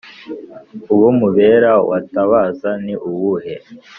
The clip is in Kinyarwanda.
uwo mu bera watabaza ni uwuhe’